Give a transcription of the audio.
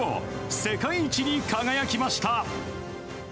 世界一に輝きました。